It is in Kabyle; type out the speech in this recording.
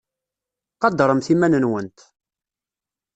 Qadremt iman-nwent.